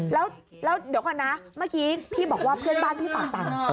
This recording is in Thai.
แล้วเดี๋ยวก่อนนะเมื่อกี้พี่บอกว่าเพื่อนบ้านพี่ฝากสั่ง